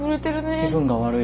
「気分が悪い」。